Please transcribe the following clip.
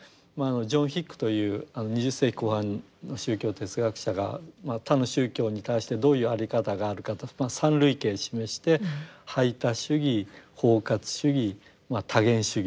ジョン・ヒックという２０世紀後半の宗教哲学者が他の宗教に対してどういう在り方があるかと３類型示して排他主義包括主義多元主義と。